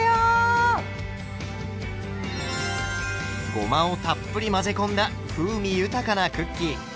ごまをたっぷり混ぜ込んだ風味豊かなクッキー。